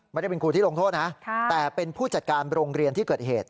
ไม่ได้เป็นครูที่ลงโทษนะแต่เป็นผู้จัดการโรงเรียนที่เกิดเหตุ